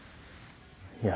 いや。